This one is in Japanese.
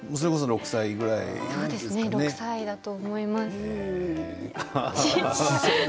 ６歳ぐらいだと思います。